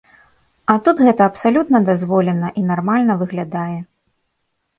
А тут гэта абсалютна дазволена і нармальна выглядае.